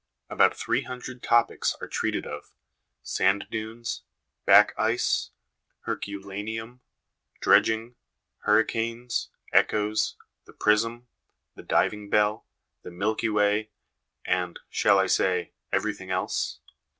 About three hundred topics are treated of: Sand dunes, Back ice, Her culaneum, Dredging, Hurricanes, Echoes, the Prism, the Diving bell, the Milky Way, and, shall I say, everything else